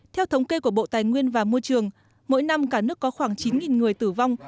theo thống kê của bộ tài nguyên và môi trường mỗi năm cả nước có khoảng chín người tử vong